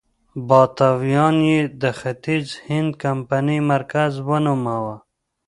باتاویا یې د ختیځ هند کمپنۍ مرکز ونوماوه.